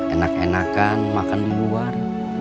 enak enakan makan luar